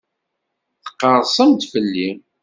Tqerrsemt-d fell-i.